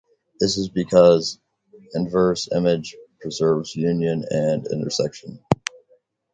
This is because inverse image preserves union and intersection.